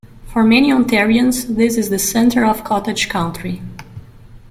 For many Ontarians, this is the centre of cottage country.